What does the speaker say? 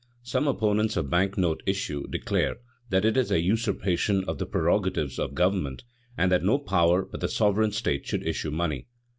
_ Some opponents of bank note issue declare that it is a usurpation of the prerogatives of government, and that no power but the sovereign state should issue money.